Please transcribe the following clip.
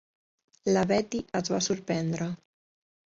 La Betty es va sorprendre.